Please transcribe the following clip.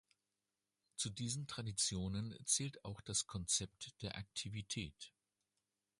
Zu diesen Traditionen zählt auch das Konzept der Aktivität.